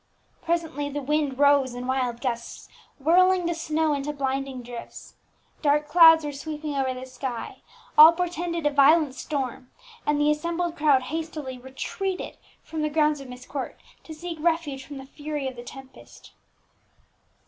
Presently the wind rose in wild gusts, whirling the snow into blinding drifts; dark clouds were sweeping over the sky; all portended a violent storm; and the assembled crowd hastily retreated from the grounds of Myst Court, to seek refuge from the fury of the tempest.